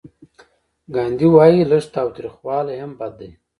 ګاندي وايي لږ تاوتریخوالی هم بد دی.